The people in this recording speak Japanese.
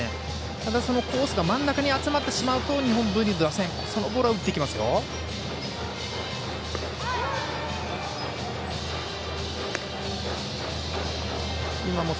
ただ、コースが真ん中に集まってしまうと日本文理の打線そのボールは打ってきますよ。